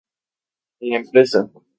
La empresa.